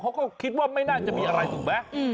เขาก็คิดว่าไม่น่าจะมีอะไรถูกไหม